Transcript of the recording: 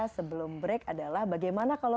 sebelum break adalah bagaimana kalau